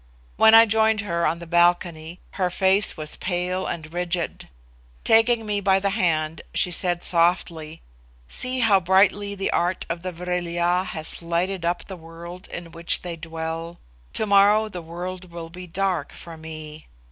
When I joined her on the balcony, her face was pale and rigid. Taking me by the hand, she said softly, "See how brightly the art of the Vril ya has lighted up the world in which they dwell. To morrow the world will be dark to me."